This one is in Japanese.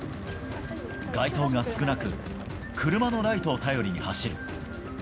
街灯が少なく、車のライトを頼りに走る。